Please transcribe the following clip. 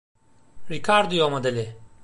Ricardio modeli.